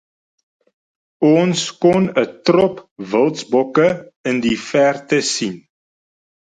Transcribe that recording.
Ons kon 'n trop wildsbokke in die verte sien.